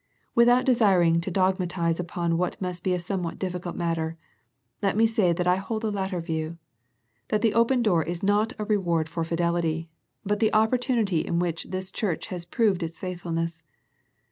Without desiring to dogmatize upon what must be a somewhat difficult matter, let me say that I hold the latter view, that the open door is not a reward for fidelity, but the opportunity in which this church has proved its faithfulness.